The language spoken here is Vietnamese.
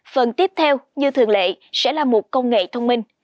phần tiếp theo như thường lệ sẽ là một công nghệ thông minh